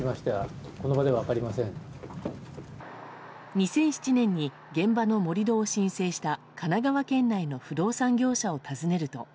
２００７年に現場の盛り土を申請した神奈川県内の不動産業者を訪ねると。